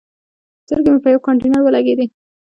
سترګې مې په یوه کانتینر ولګېدي.